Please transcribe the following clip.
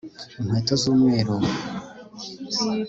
inkweto z'umweru